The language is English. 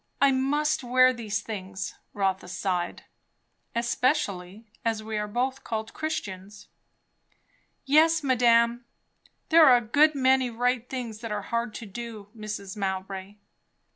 I must wear these things." Rotha sighed. "Especially as we are both called Christians." "Yes, madame. There are a good many right things that are hard to do, Mrs. Mowbray!"